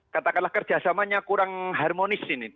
katakanlah kerjasamanya kurang harmonis ini